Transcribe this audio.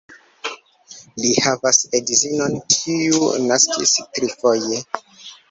Li havas edzinon, kiu naskis trifoje.